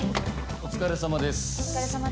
お疲れさまです。